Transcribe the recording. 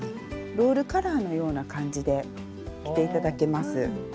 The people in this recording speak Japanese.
ロールカラーのような感じで着て頂けます。